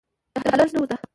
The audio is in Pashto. د هلک درس نه و زده.